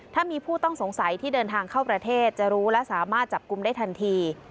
ถ้ามีผู้ต้องสงสัยที่เดินทางเข้าประเทศจะรู้และสามารถจับกลุ่มได้ทันที